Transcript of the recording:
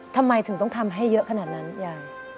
ทำไมถึงต้องทำให้เยอะขนาดนั้นยาย